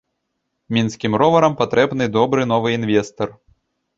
Мінскім роварам патрэбны добры новы інвестар.